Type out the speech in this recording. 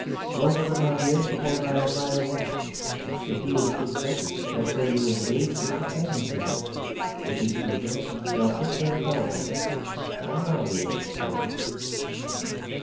Rosamund, my dear, suppose I am right or wrong. If he's proved guilty, they'll say you engaged your companion to him. If he's proved innocent, they'll print that telegram. I know the Organs, damn them."